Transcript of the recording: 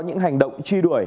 những hành động truy đuổi